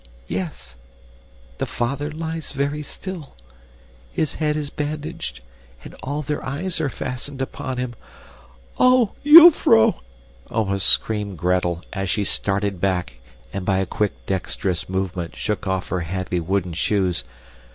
"Yes the father lies very still, his head is bandaged, and all their eyes are fastened upon him. Oh, jufvrouw!" almost screamed Gretel, as she started back and, by a quick, dexterous movement shook off her heavy wooden shoes.